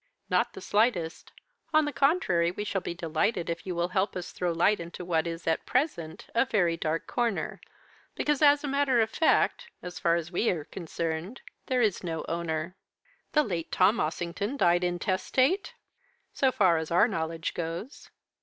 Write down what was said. "'Not the slightest. On the contrary, we shall be delighted if you will help us to throw light into what is, at present, a very dark corner; because, as a matter of fact, so far as we are concerned, there is no owner.' "'The late Thomas Ossington died intestate!' "'So far as our knowledge goes.'